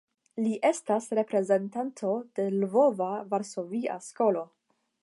Li estis reprezentanto de Lvova-Varsovia skolo.